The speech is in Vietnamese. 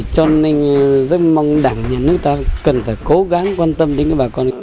cho nên rất mong đảng nhà nước ta cần phải cố gắng quan tâm đến bà con